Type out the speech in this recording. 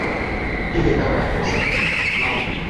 Iwe dawa ya kosa langu